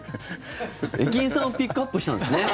駅員さんをピックアップしたんだね。